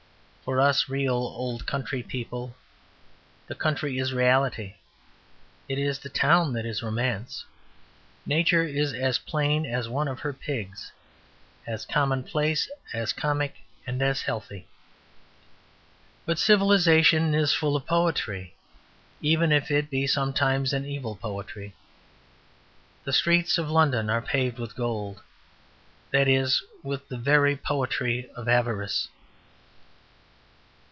For us real old country people the country is reality; it is the town that is romance. Nature is as plain as one of her pigs, as commonplace, as comic, and as healthy. But civilization is full of poetry, even if it be sometimes an evil poetry. The streets of London are paved with gold; that is, with the very poetry of avarice."